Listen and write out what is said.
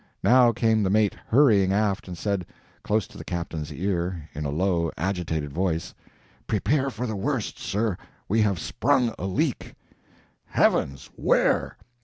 Now came the mate, hurrying aft, and said, close to the captain's ear, in a low, agitated voice: "Prepare for the worst, sir we have sprung a leak!" "Heavens! where?"